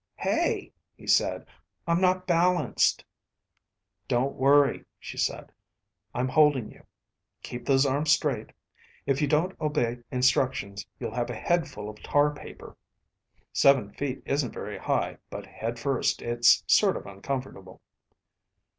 "Hey ..." he said. "I'm not balanced." "Don't worry," she said. "I'm holding you. Keep those arms straight. If you don't obey instructions you'll have a head full of tar paper. Seven feet isn't very high, but head first it's sort of uncomfortable."